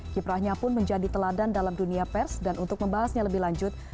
kiprahnya pun menjadi teladan dalam dunia pers dan untuk membahasnya lebih lanjut